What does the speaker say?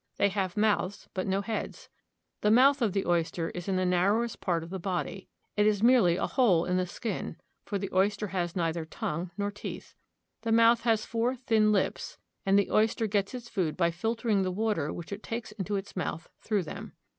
They have mouths, but no heads. The mouth of the oyster is in the narrowest portion of the body. It is merely a hole in the skin, for the oyster has neither tongue nor teeth. The mouth has four thin lips, and the oyster gets its food by filtering the water which it takes into its mouth through them.